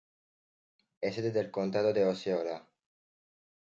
Es sede del condado de Osceola.